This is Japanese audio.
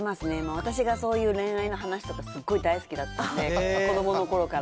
私がそういう恋愛の話とか、すっごい大好きだったので、子どものころから。